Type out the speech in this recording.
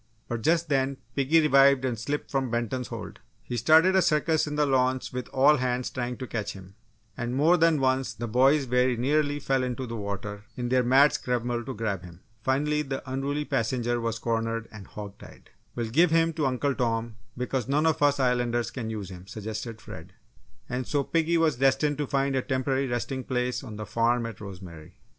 But just then, piggy revived and slipped from Benton's hold. He started a circus in the launch with all hands trying to catch him, and more than once, the boys very nearly fell into the water in their mad scramble to grab him. Finally, the unruly passenger was cornered and "hog tied." "We'll give him to Uncle Tom, because none of us Islanders can use him," suggested Fred. And so piggy was destined to find a temporary resting place on the farm at Rosemary.